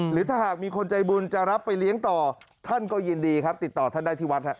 หรือถ้าหากมีคนใจบุญจะรับไปเลี้ยงต่อท่านก็ยินดีครับติดต่อท่านได้ที่วัดครับ